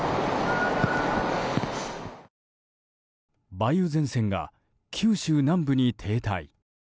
梅雨前線が九州南部に停滞。